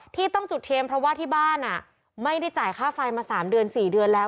ที่ต้องจุดเทียนเพราะว่าที่บ้านไม่ได้จ่ายค่าไฟมา๓เดือน๔เดือนแล้ว